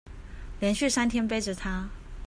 連續三天背著她